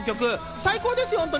最高です。